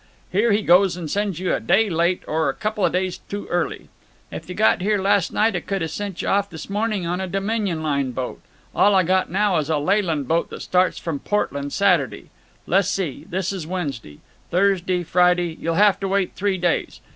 Here he goes and sends you a day late—or couple days too early. 'F you'd got here last night I could 've sent you off this morning on a Dominion Line boat. All I got now is a Leyland boat that starts from Portland Saturday. Le's see; this is Wednesday. Thursday, Friday—you'll have to wait three days.